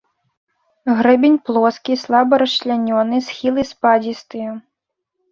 Грэбень плоскі, слаба расчлянёны, схілы спадзістыя.